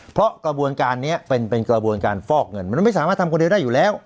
เพราะกระบวนการนี้เป็นกระบวนการฟอกเงินมันไม่สามารถทำคนเดียวได้อยู่แล้ว